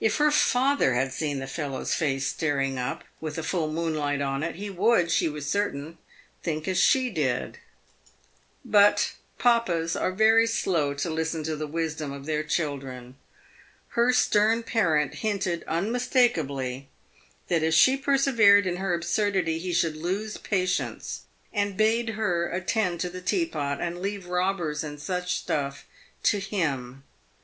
If her father had seen the fellow's face staring up, with the full moonlight on it, he would, she was certain, think as she did. But papas are very slow to listen to the wisdom of their chil dren. Her stern parent hinted unmistakably that if she persevered in her absurdity he should lose patience, and bade her attend to the teapot, and leave robbers and such stuff to him.